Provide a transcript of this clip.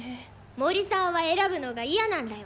森さんは選ぶのが嫌なんらよ。